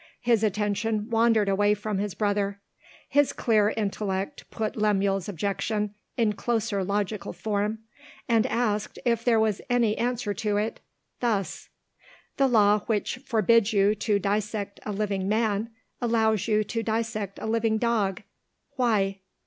His attention wandered away from his brother. His clear intellect put Lemuel's objection in closer logical form, and asked if there was any answer to it, thus: The Law which forbids you to dissect a living man, allows you to dissect a living dog. Why?